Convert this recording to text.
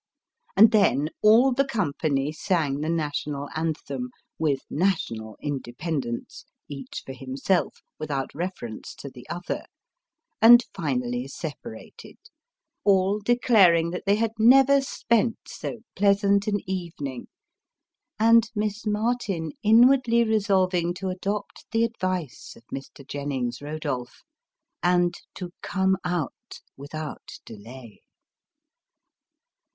And then all the company sang the national anthem with national independence each for himself, without refer ence to the other and finally separated : all declaring that they never had spent so pleasant an evening : and Miss Martin inwardly resolving to adopt the advice of Mr. Jennings Eodolph, and to " come out " without delay.